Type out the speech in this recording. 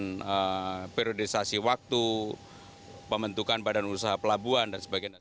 dan periodisasi waktu pembentukan badan usaha pelabuhan dan sebagainya